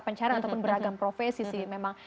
pencarian ataupun beragam profesi sih